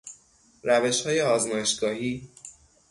روشهای آزمایشگاهی